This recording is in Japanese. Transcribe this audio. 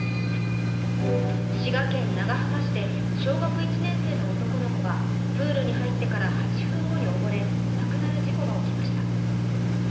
滋賀県長浜市で小学１年生の男の子がプールに入ってから８分後に溺れ亡くなる事故が起きました。